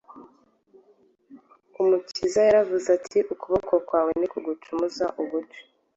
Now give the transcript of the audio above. Umukiza yaravuze ati: “ukuboko kwawe nikugucumuza uguce.